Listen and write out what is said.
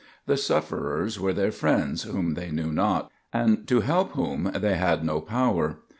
The sufferers were their friends whom they knew not, and to help whom they had no power.